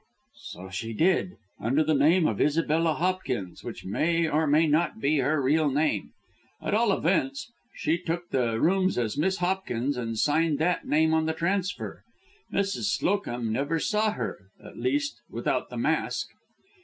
"So she did, under the name of Isabella Hopkins, which may or may not be her real name. At all events, she took the rooms as Miss Hopkins and signed that name on the transfer. Mrs. Slowcomb never saw her at least, without the mask.